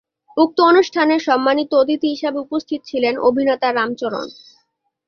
উক্ত অনুষ্ঠানে সম্মানিত অতিথি হিসাবে উপস্থিত ছিলেন অভিনেতা রাম চরণ।